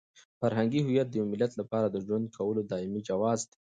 فرهنګي هویت د یو ملت لپاره د ژوند کولو دایمي جواز دی.